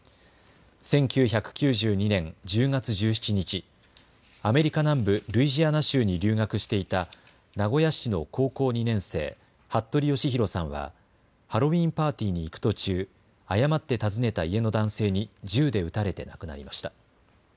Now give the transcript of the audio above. １９９２年１０月１７日、アメリカ南部ルイジアナ州に留学していた名古屋市の高校２年生、服部剛丈さんはハロウィンパーティーに行く途中誤って訪ねた家の男性に銃で撃たれて亡くなりました。